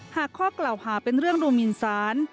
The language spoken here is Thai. ข้อกล่าวหาเป็นเรื่องดูมินสาร